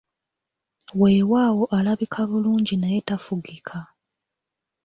Weewaawo alabika bulungi naye tafugika.